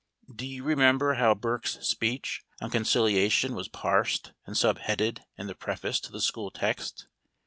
Do you remember how Burke's speech on Conciliation was parsed and sub headed in the preface to the school texts?